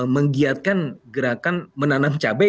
menggiatkan gerakan menanam cabai